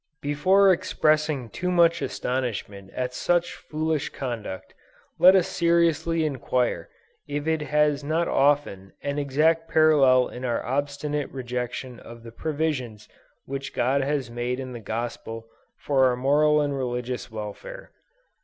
Before expressing too much astonishment at such foolish conduct, let us seriously inquire if it has not often an exact parallel in our obstinate rejection of the provisions which God has made in the Gospel for our moral and religious welfare.